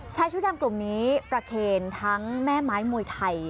ชายชุดดำกลุ่มนี้ประเคนทั้งแม่ไม้มวยไทย